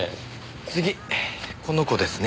次この子ですね。